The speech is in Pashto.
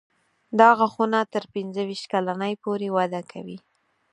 دا غاښونه تر پنځه ویشت کلنۍ پورې وده کوي.